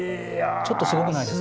ちょっとすごくないですか？